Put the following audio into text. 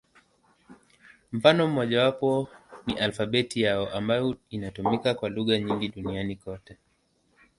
Mfano mmojawapo ni alfabeti yao, ambayo inatumika kwa lugha nyingi duniani kote.